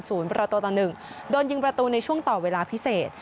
ประตูต่อหนึ่งโดนยิงประตูในช่วงต่อเวลาพิเศษ